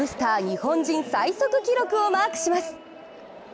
日本人最速記録をマークします。